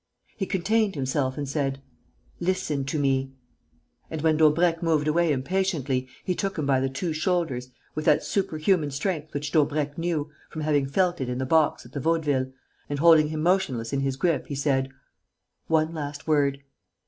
He contained himself and said: "Listen to me." And, when Daubrecq moved away impatiently, he took him by the two shoulders, with that superhuman strength which Daubrecq knew, from having felt it in the box at the Vaudeville, and, holding him motionless in his grip, he said: "One last word."